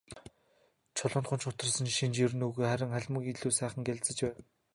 Чулуунд гуньж гутарсан шинж ер үгүй, харин халимаг нь илүү сайхан гялалзаж байв.